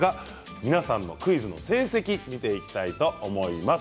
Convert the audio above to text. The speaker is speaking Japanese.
皆さんのクイズの成績を見ていきたいと思います。